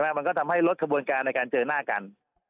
มันก็ทำให้ลดขบวนการในการเจอหน้ากัน